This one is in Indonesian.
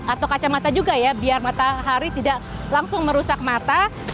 atau kacamata juga ya biar matahari tidak langsung merusak mata